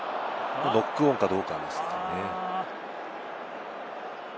ノックオンかどうかですね。